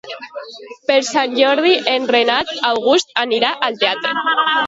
Per Sant Jordi en Renat August anirà al teatre.